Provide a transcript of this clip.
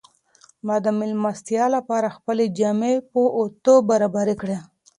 ما د مېلمستیا لپاره خپلې جامې په اوتو برابرې کړې.